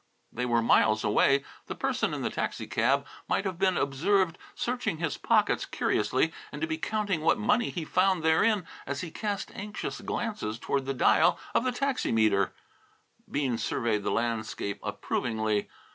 They were miles away. The person in the taxi cab might have been observed searching his pockets curiously, and to be counting what money he found therein as he cast anxious glances toward the dial of the taxi metre. Bean surveyed the landscape approvingly.